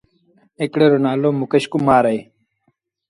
هڪڙي روٚ نآلو مڪيش ڪمآر اهي۔